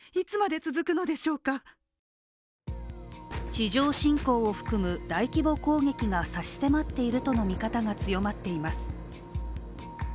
地上侵攻を含む大規模攻撃が差し迫っているとの見方が強まっています。